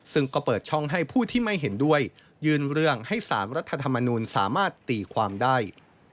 ซึ่งก็เปิดช่องให้ผู้ที่ไม่เห็นด้วยยื่นเรื่องให้๓รัฐธรรมนูลสามารถตีความได้